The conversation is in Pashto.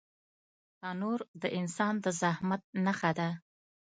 تنور د انسان د زحمت نښه ده